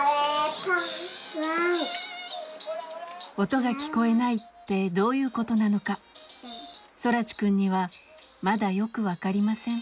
音が聞こえないってどういうことなのか空知くんにはまだよく分かりません。